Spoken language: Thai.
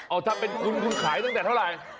เอาถ้าเป็นคุณคุณขายตั้งแต่เท่าไหร่